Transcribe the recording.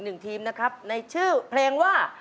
สร้างแบบมันไม่เจอเธอแล้วหัวใจ